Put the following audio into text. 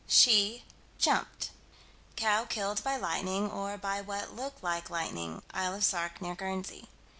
She jumped. Cow killed by lightning, or by what looked like lightning (Isle of Sark, near Guernsey).